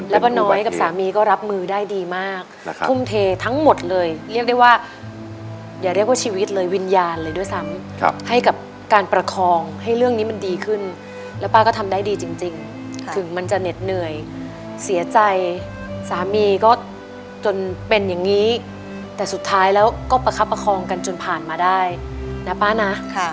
แล้วป้าน้อยกับสามีก็รับมือได้ดีมากทุ่มเททั้งหมดเลยเรียกได้ว่าอย่าเรียกว่าชีวิตเลยวิญญาณเลยด้วยซ้ำให้กับการประคองให้เรื่องนี้มันดีขึ้นแล้วป้าก็ทำได้ดีจริงถึงมันจะเหน็ดเหนื่อยเสียใจสามีก็จนเป็นอย่างนี้แต่สุดท้ายแล้วก็ประคับประคองกันจนผ่านมาได้นะป้านะ